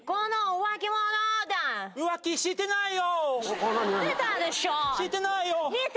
浮気してないよ！